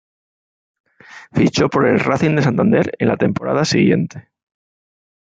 Fichó por el Racing de Santander en la temporada siguiente.